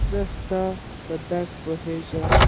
زه ستا په درد پوهيږم